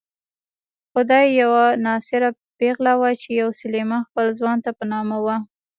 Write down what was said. خدۍ یوه ناصره پېغله وه چې يو سلیمان خېل ځوان ته په نامه وه.